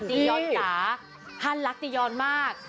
ท่านรักตียอนมาก